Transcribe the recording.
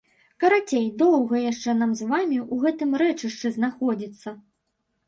Карацей, доўга яшчэ нам з вамі ў гэтым рэчышчы знаходзіцца!